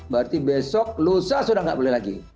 berarti besok lusa sudah tidak boleh lagi